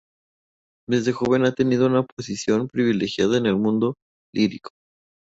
Desde joven ha tenido una posición privilegiada en el mundo lírico.